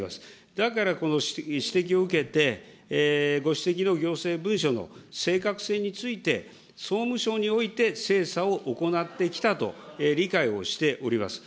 だからこの指摘を受けて、ご指摘の行政文書の正確性について、総務省において精査を行ってきたと理解をしております。